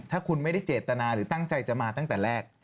ถ้าคุณไม่ได้เจตนาหรือตั้งใจจะมาตั้งแต่แรก